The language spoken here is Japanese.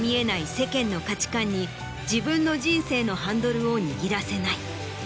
世間の価値観に自分の人生のハンドルを握らせない。